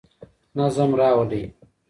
نظم راولئ.